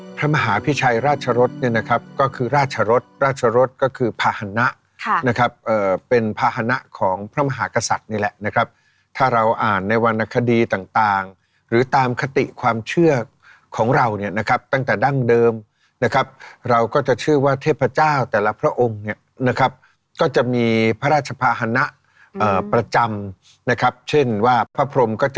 พระมหาพิชัยราชรสเนี่ยนะครับก็คือราชรสราชรสก็คือภาษณะนะครับเป็นภาษณะของพระมหากษัตริย์นี่แหละนะครับถ้าเราอ่านในวรรณคดีต่างหรือตามคติความเชื่อของเราเนี่ยนะครับตั้งแต่ดั้งเดิมนะครับเราก็จะเชื่อว่าเทพเจ้าแต่ละพระองค์เนี่ยนะครับก็จะมีพระราชภาษณะประจำนะครับเช่นว่าพระพรมก็จะ